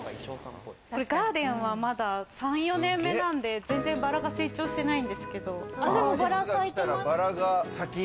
ガーデンはまだ３４年目なんで、全然バラが成長してないんですけど。